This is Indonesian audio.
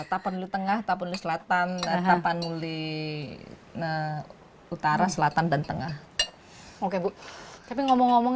tapanuli tengah tapanuli selatan tapanuli utara selatan dan tengah oke bu tapi ngomong ngomong